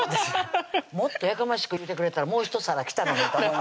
もっとやかましく言うてくれたらもう一皿来たのにと思いました